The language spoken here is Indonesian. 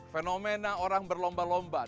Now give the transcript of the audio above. fenomena orang berlomba lomba dalam kebaikan